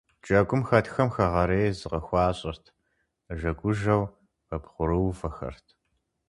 Джэгум хэтхэм хэгъэрей зыкъыхуащӀырт, нэжэгужэу къыбгъурыувэхэрт.